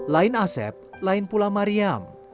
lain asep lain pula mariam